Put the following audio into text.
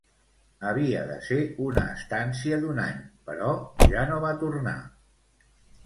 Havia de ser una estància d'un any, però ja no va tornar.